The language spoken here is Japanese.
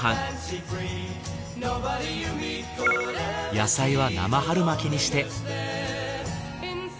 野菜は生春巻きにして。